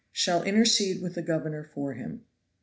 Shall about him. intercede with the governor for him.